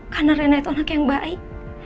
karena raina itu anak yang baik